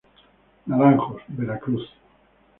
Naranjos, Veracruz